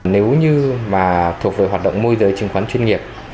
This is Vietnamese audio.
nếu như mà thuộc về hoạt động môi giới chứng khoán chuyên nghiệp